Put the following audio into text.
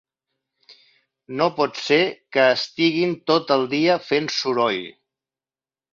No pot ser que estiguin tot el dia fent soroll.